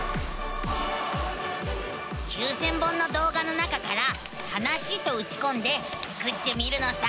９，０００本の動画の中から「はなし」とうちこんでスクってみるのさ。